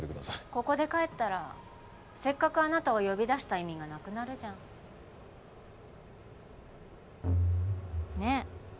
ここで帰ったらせっかくあなたを呼び出した意味がなくなるじゃんねえ